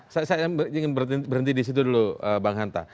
saya ingin berhenti disitu dulu bang hanta